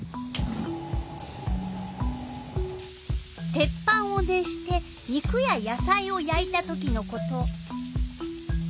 鉄板を熱して肉ややさいをやいたときのこと。